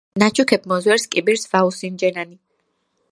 ნაჩუქებ მოზვერს კიბირს ვაუსინჯენანი